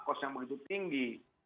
kos yang begitu tinggi